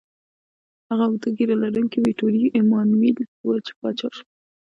هغه اوږده ږیره لرونکی ویټوریو ایمانویل و، چې پاچا شو.